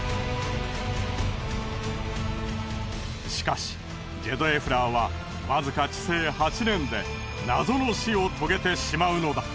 しかしジェドエフラーはわずか治世８年で謎の死を遂げてしまうのだ。